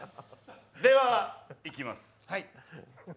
では、いきます。